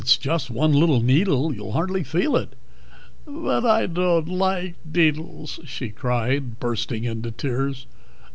Just one little needle, you'd hardly feel it." "But I dod't like deedles!" she cried, bursting into tears.